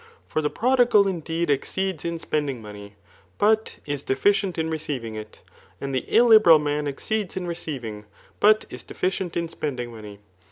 For the prodigal indeed exceeds in spending money, but is defi cient in receiving it; and the illiberal man exceeds in receivmg, but is deficient in spending money.